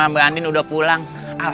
gitu pernah n indul binya a